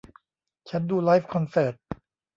ฉันดูไลฟ์คอนเสิร์ต